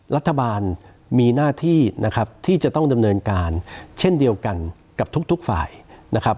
รัฐบาลมีหน้าที่นะครับที่จะต้องดำเนินการเช่นเดียวกันกับทุกฝ่ายนะครับ